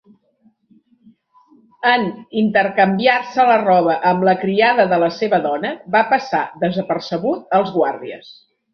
En intercanviar-se la roba amb la criada de la seva dona, va passar desapercebut als guàrdies.